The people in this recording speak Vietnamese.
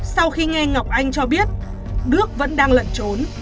sau khi nghe ngọc anh cho biết đức vẫn đang lẩn trốn